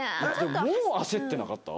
もう焦ってなかった？